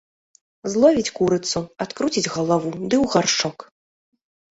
Зловіць курыцу, адкруціць галаву ды ў гаршчок.